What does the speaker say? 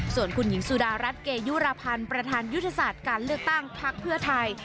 ส่วนคุณหญิงสุดารัฐเกยุรพันธ์ประธานยุทธศาสตร์การเลือกตั้งพักเพื่อไทย